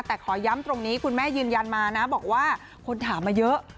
แต่ขอย้ำตรงนี้คุณแม่ยืนยันมานะบอกว่าคนถามมาเยอะ